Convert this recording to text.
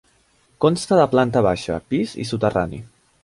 Consta de planta baixa, pis i soterrani.